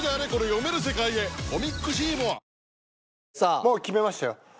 もう決めましたよ。